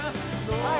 はい。